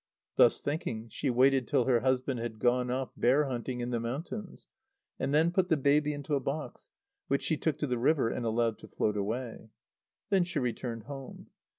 Thus thinking, she waited till her husband had gone off bear hunting in the mountains, and then put the baby into a box, which she took to the river and allowed to float away. Then she returned home.